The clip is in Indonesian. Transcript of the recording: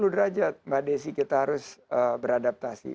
tiga ratus enam puluh derajat mbak desi kita harus beradaptasi